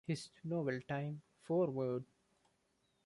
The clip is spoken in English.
His novel Time, Forward!